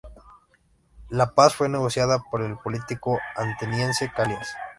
La paz fue negociada por el político ateniense Calias.